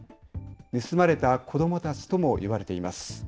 盗まれた子どもたちともいわれています。